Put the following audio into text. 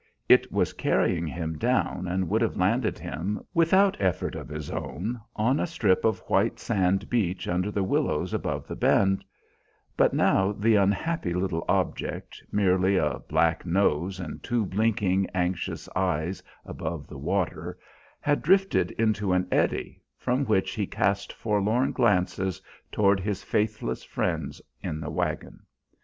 It was carrying him down and would have landed him, without effort of his own, on a strip of white sand beach under the willows above the bend; but now the unhappy little object, merely a black nose and two blinking anxious eyes above the water, had drifted into an eddy, from which he cast forlorn glances toward his faithless friends in the wagon.